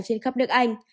trên khắp nước anh